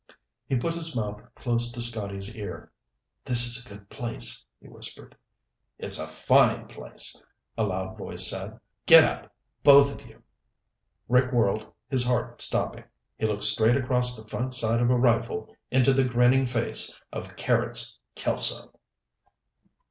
He put his mouth close to Scotty's ear. "This is a good place," he whispered. "It's a fine place," a loud voice said. "Get up, both of you!" Rick whirled, his heart stopping. He looked straight across the front sight of a rifle into the grinning face of Carrots Kelso!